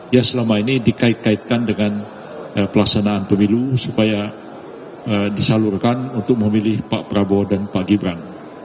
yang selama ini dikait kaitkan dengan pelaksanaan pemilu supaya disalurkan untuk memilih pak prabowo dan pak gibran